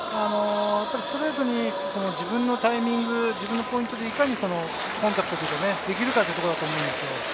ストレートに自分のタイミング、自分のポイントでいかにコンタクトできるかってところだと思うんですよ。